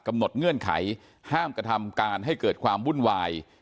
เงื่อนไขห้ามกระทำการให้เกิดความวุ่นวาย